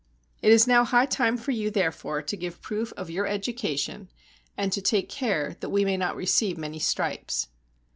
It is now high time for you, therefore, to give proof of your education, and to take care that we may not re ceive many stripes."